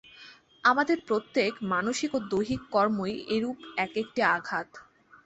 আমাদের প্রত্যেক মানসিক ও দৈহিক কর্মই এরূপ এক-একটি আঘাত।